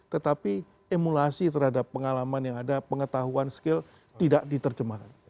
tetapi emulasi terhadap pengalaman yang ada pengetahuan skill tidak diterjemahkan